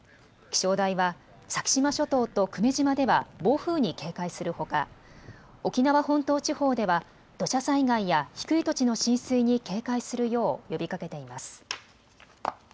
気象台は先島諸島と久米島では暴風に警戒するほか沖縄本島地方では土砂災害や低い土地の浸水に警戒するよう呼びかけています。